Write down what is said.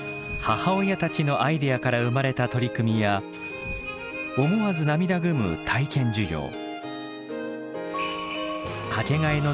母親たちのアイデアから生まれた取り組みや思わず涙ぐむ体験授業。